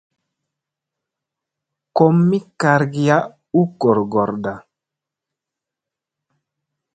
Kom mi kargiya u goorgoorda.